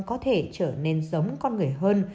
có thể trở nên giống con người hơn